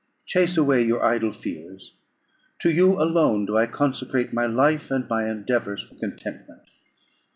Chase away your idle fears; to you alone do I consecrate my life, and my endeavours for contentment.